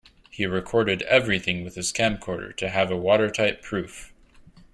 He recorded everything with his camcorder to have a watertight proof.